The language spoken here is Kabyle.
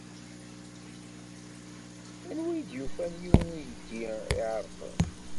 Anwa ay d-yufan yiwen weydi iɛerqen?